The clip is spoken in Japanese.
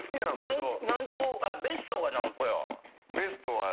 ベストが何個や？